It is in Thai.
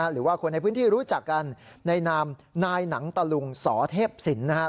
หรือว่าคนในพื้นที่รู้จักกันในนามนายหนังตะลุงสอเทพศิลป์นะครับ